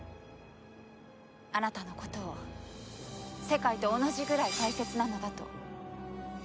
あなたのことを世界と同じぐらい大切なのだと。